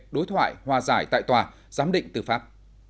đối thoại hòa giải tại tòa giám định tư pháp